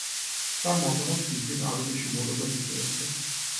তাঁর মতামত দিন দিন আরও বেশি মৌলবাদী হয়ে ওঠে।